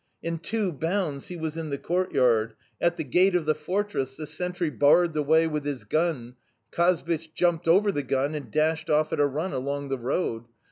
In two bounds he was in the courtyard; at the gate of the fortress the sentry barred the way with his gun; Kazbich jumped over the gun and dashed off at a run along the road...